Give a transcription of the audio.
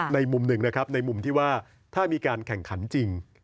ในมุมหนึ่งนะครับในมุมที่ว่าถ้ามีการแข่งขันจริง